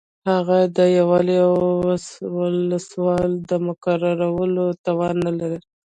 هغه د یو والي او ولسوال د مقررولو توان نه لري.